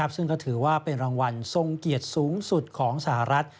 ซึ่งก็ถือว่าเป็นรางวัลทรงเกียรติสูงสุดของสหรัฐ